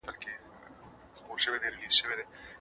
د ټولني خوار خلګ مه هېروئ.